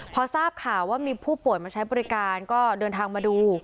พอทราบข่าวว่ามีผู้ป่วยมาใช้บริการก็เดินทางมาดู